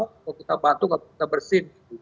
kalau kita batuk kalau kita bersin